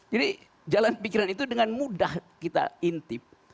jadi jalan pikiran itu dengan mudah kita intip